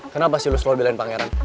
kenapa sih lo selalu belain pangeran